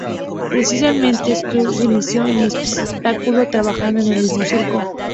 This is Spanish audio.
Precisamente Skelton se inició en el espectáculo trabajando en el mismo circo.